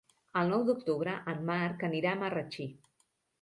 El nou d'octubre en Marc anirà a Marratxí.